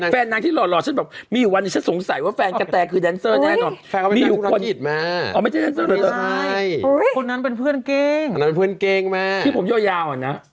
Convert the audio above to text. แฟนนางที่หล่อฉันแบบมีอยู่วันนี้ฉันสงสัยว่าแฟนกะแตง่ะคือแดนเซอร์แน่นอน